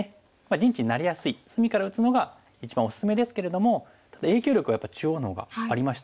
陣地になりやすい隅から打つのが一番おすすめですけれどもただ影響力はやっぱり中央の方がありましたよね。